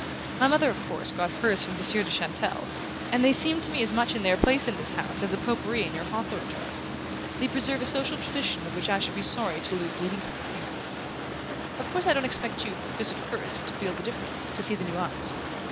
My mother, of course, got hers from Monsieur de Chantelle, and they seem to me as much in their place in this house as the pot pourri in your hawthorn jar. They preserve a social tradition of which I should be sorry to lose the least perfume. Of course I don't expect you, just at first, to feel the difference, to see the nuance.